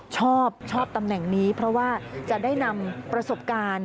ชอบชอบตำแหน่งนี้เพราะว่าจะได้นำประสบการณ์